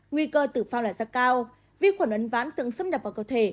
nguy cơ tử phong lại ra cao vi khuẩn uấn ván tưởng xâm nhập vào cơ thể